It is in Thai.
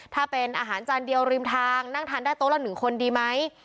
ถ้าเป็นอาหารจานเดียวริมทางนั่งทานได้โต๊ะละ๑คนดีไหม